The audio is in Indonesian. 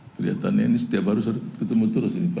kelihatannya ini setiap hari ketemu terus ini pak